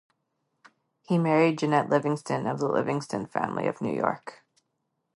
He married Janet Livingston, of the Livingston family of New York.